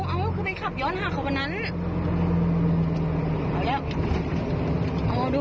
เอ้าคือไปขับย้อนห่างเข้าไปนั้น